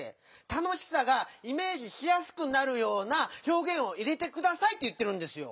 たのしさがイメージしやすくなるようなひょうげんを入れてくださいっていってるんですよ。